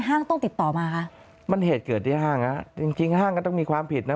ห้างต้องติดต่อมาคะมันเหตุเกิดที่ห้างฮะจริงจริงห้างก็ต้องมีความผิดนะ